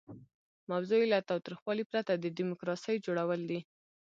موضوع یې له تاوتریخوالي پرته د ډیموکراسۍ جوړول دي.